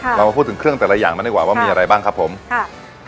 เรามาพูดถึงเครื่องแต่ละอย่างมันดีกว่าว่ามีอะไรบ้างครับผมค่ะ